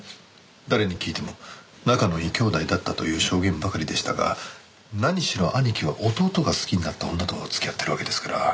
誰に聞いても仲のいい兄弟だったという証言ばかりでしたが何しろ兄貴は弟が好きになった女と付き合ってるわけですから。